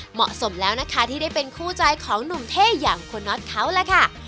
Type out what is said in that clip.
เหมาะสมแล้วนะคะที่ได้เป็นคู่ใจของหนุ่มเท่อย่างคุณน็อตเขาล่ะค่ะ